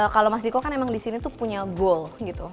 kalau mas diko kan emang disini tuh punya goal gitu